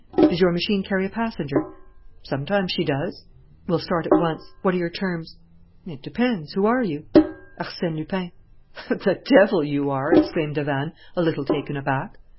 Does your machine carry a passenger?" "Sometimes she does." "We'll start at once. What are your terms?" "It depends. Who are you?" "Arsène Lupin." "The devil you are!" exclaimed Davanne, a little taken aback.